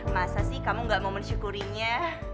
masa sih kamu gak mau mensyukurinya